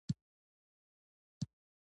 یوه ماشوم د خپلې سترګې ګوته ووهله.